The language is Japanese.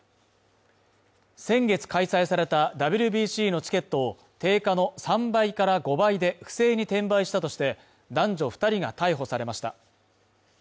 先月開催されたＷＢＣのチケットを定価の３倍から５倍で不正に転売したとして男女２人が逮捕されました。